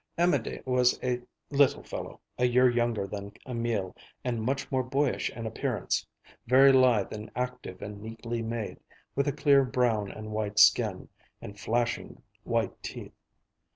Amédée was a little fellow, a year younger than Emil and much more boyish in appearance; very lithe and active and neatly made, with a clear brown and white skin, and flashing white teeth.